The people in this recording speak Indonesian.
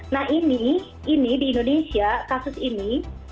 nah ini ini di indonesia kasus ini